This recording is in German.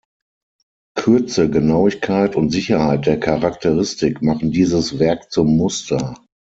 Kürze, Genauigkeit und Sicherheit der Charakteristik machen dieses Werk zum Muster.